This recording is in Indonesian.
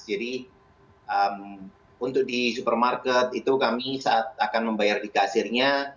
jadi untuk di supermarket itu kami saat akan membayar di kasirnya